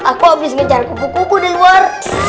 aku abis ngejar kuku kuku di luar